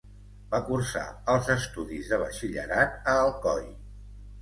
Va cursar els estudis de Batxillerat a Alcoi.